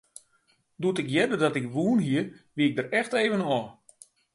Doe't ik hearde dat ik wûn hie, wie ik der echt even ôf.